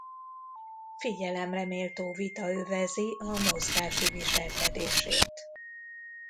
Figyelemre méltó vita övezi a mozgási viselkedését.